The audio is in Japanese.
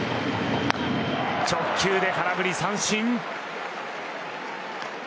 直球で空振り三振。